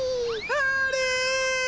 あれ！